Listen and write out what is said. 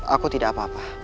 aku tidak apa apa